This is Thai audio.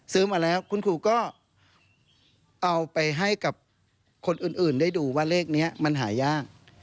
มาแล้วคุณครูก็เอาไปให้กับคนอื่นได้ดูว่าเลขนี้มันหายาก